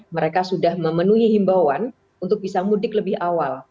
mereka sudah memenuhi himbauan untuk bisa mudik lebih awal